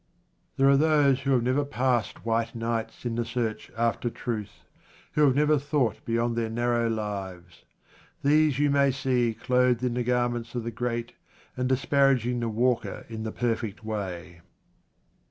THERE are those who have never passed white nights in the search after truth, who have never thought beyond their narrow lives. These you may see clothed in the garments of the great and disparaging the walker in the perfect way.